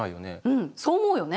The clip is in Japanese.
うんそう思うよね。